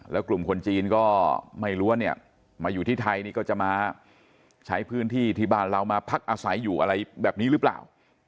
แล้วกลุ่มคนจีนก็ไม่รู้ว่าเนี่ยมาอยู่ที่ไทยนี่ก็จะมาใช้พื้นที่ที่บ้านเรามาพักอาศัยอยู่อะไรแบบนี้หรือเปล่า